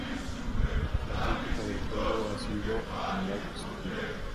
La crítica del juego ha sido en general positiva.